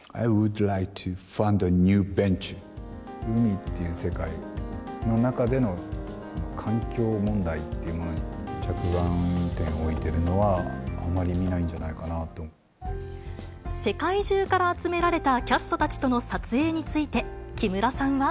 海っていう世界の中での環境問題っていうものに着眼点を置いてるのは、あまり見ないんじゃな世界中から集められたキャストたちとの撮影について、木村さんは。